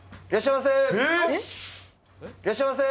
いらっしゃいませ。